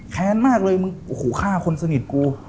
แค้นมากเลยมึงโอ้โหฆ่าคนสนิทกู